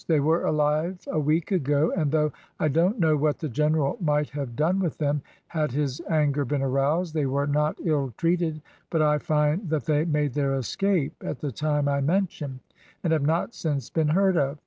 They were alive a week ago, and though I don't know what the general might have done with them, had his anger been aroused, they were not ill treated, but I find that they made their escape at the time I mention, and have not since been heard of.